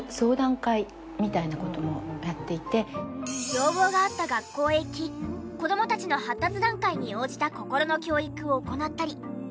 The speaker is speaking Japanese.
要望があった学校へ行き子供たちの発達段階に応じた心の教育を行ったり。